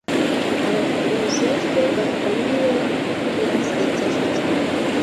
abafilozofe bakomeye birasekeje cyane